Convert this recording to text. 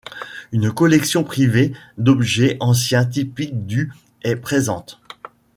Une collection privée d'objets anciens typiques du est présente.